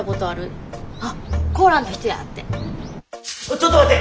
ちょっと待って！